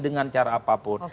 dengan cara apapun